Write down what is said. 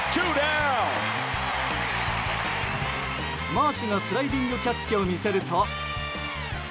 マーシュがスライディングキャッチを見せると。